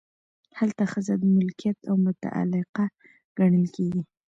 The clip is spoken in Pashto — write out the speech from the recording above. هلته ښځه ملکیت او متعلقه ګڼل کیږي.